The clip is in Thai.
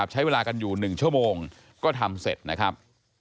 ใช้เวลากันอยู่๑ชั่วโมงก็ทำเสร็จนะครับ